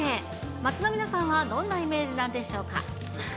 街の皆さんはどんなイメージなんでしょうか。